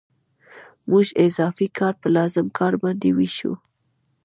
موږ اضافي کار په لازم کار باندې وېشو